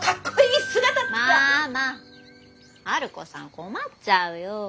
困っちゃうよ。